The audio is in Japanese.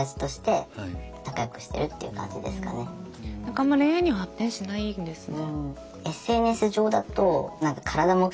あまり恋愛には発展しないんですね。